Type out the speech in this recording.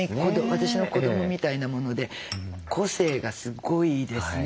私の子どもみたいなもので個性がすごいですね